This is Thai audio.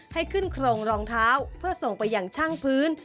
ให้ขึ้นโครงรองเท้าเพื่อส่งไปอย่างช่างพื้น